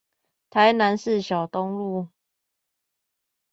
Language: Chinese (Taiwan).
台南市小東路